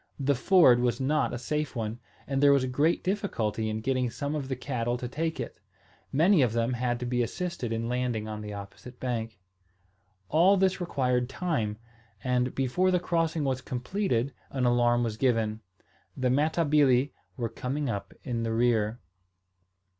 The ford was not a safe one; and there was great difficulty in getting some of the cattle to take it: many of them had to be assisted in landing on the opposite bank. All this required time; and, before the crossing was completed an alarm was given. The Matabili were coming up in the rear.